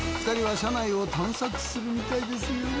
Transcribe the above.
２人は車内を探索するみたいですよ。